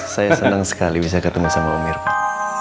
saya seneng sekali bisa ketemu sama om irfan